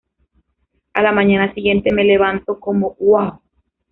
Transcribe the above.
A la mañana siguiente me levanto como '¡wow!